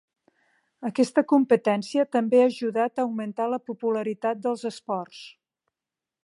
Aquesta competència també ha ajudat a augmentar la popularitat dels esports.